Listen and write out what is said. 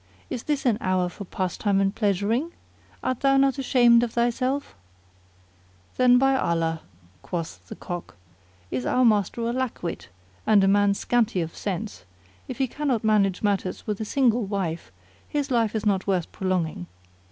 Is this an hour for pastime and pleasuring? Art thou not ashamed of thyself?"[FN#38] "Then by Allah," quoth the Cock, "is our master a lack wit and a man scanty of sense: if he cannot manage matters with a single wife, his life is not worth prolonging.